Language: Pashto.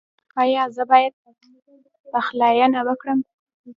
ایا زه باید پخلاینه وکړم؟